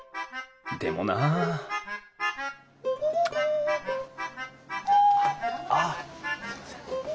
でもなあっすみません。